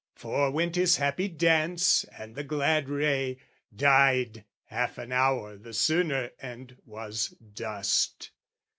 " Forwent his happy dance and the glad ray, "Died half an hour the sooner and was dust.